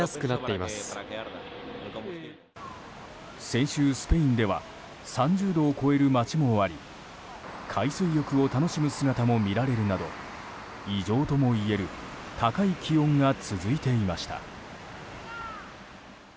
先週、スペインでは３０度を超える街もあり海水浴を楽しむ姿も見られるなど異常ともいえる高い気温が続いていました。